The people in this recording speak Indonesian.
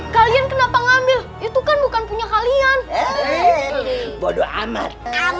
kalian kenapa ngambil itu kan bukan punya kalian bodoh amat